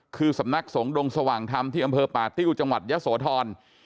คือสำนักสงฆ์ดงสว่างธรรมที่อำเภอป่าติ้วจังหวัดยะโสธร